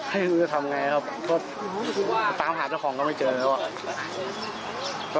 ให้ดูจะทำไงครับโทษตามหาเจ้าของก็ไม่เจอแล้วอ่ะ